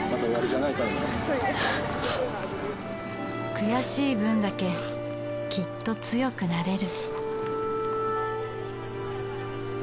悔しい分だけきっと強くなれる。